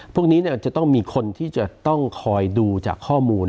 พวกนี้จะต้องมีคนที่จะต้องคอยดูจากข้อมูล